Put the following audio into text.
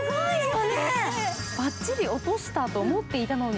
ばっちり落としたと思っていたのに。